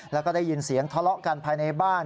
แล้วก็ได้ยินเสียงทะเลาะกันภายในบ้าน